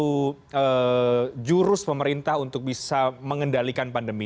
satu jurus pemerintah untuk bisa mengendalikan pandemi